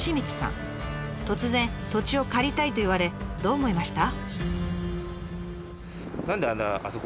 突然土地を借りたいと言われどう思いました？